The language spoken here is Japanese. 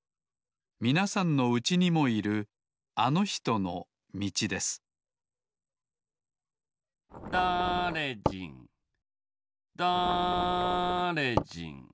みなさんのうちにもいるあのひとのみちですだれじんだれじん